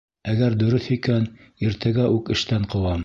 Әгәр дөрөҫ икән, иртәгә үк эштән ҡыуам.